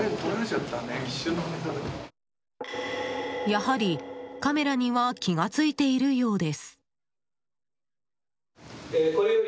やはりカメラには気がついているようです。